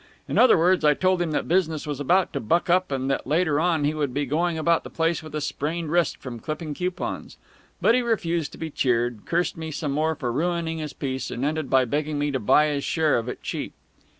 In other words, I told him that business was about to buck up and that later on he would be going about the place with a sprained wrist from clipping coupons. But he refused to be cheered, cursed me some more for ruining his piece, and ended by begging me to buy his share of it cheap."